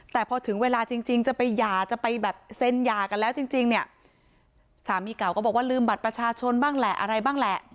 แต่พอถึงเวลาจริงจะไปหย่าจะไปแบบเซ็นหย่ากันแล้วจริงจริงเนี่ยสามีเก่าก็บอกว่าลืมบัตรประชาชนบ้างแหละอะไรบ้างแหละ